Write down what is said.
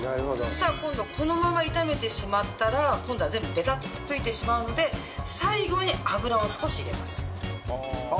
さあ今度はこのまま炒めてしまったら今度は全部ベタッとくっついてしまうので最後に油を少し入れます。